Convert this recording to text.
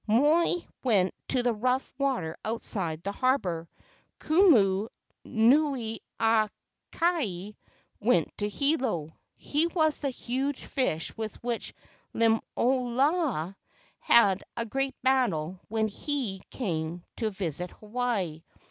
Moi went to the rough water outside the harbor. Kumu nuiaiake went to Hilo. He was the huge fish with which Limaloa had a great battle when he KE A U NINI igi came to visit Hawaii.